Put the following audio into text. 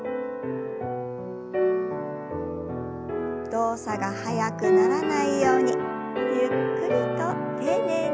動作が速くならないようにゆっくりと丁寧に。